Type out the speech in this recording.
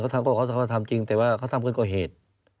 ทำกับเขาทำจริงแต่ว่าเขาทำเกินกว่าเหตุ